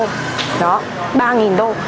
đó ba đô